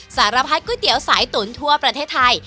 สารพัดก๋วยเตี๋ยวสายตุ๋นทั่วประเทศไทย